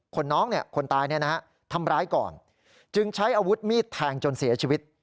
น้องคนตายทำร้ายก่อนจึงใช้อาวุธมีดแทงจนเสียชีวิต